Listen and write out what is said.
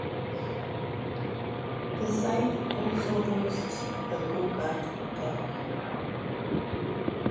The site also hosts a go kart track.